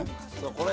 これ。